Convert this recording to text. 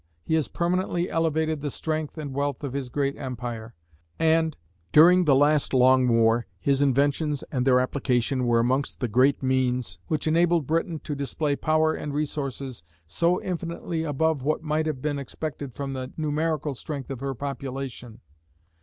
He has permanently elevated the strength and wealth of his great empire: and, during the last long war, his inventions; and their application were amongst the great means which enabled Britain to display power and resources so infinitely above what might have been expected from the numerical strength of her population.